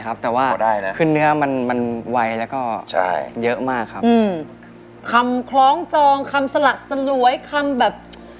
แต่ว่าขึ้นเนื้อมันมันไวแล้วก็ใช่เยอะมากครับอืมคำคล้องจองคำสละสลวยคำแบบ